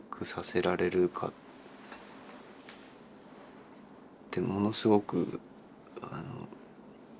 ってものすごく。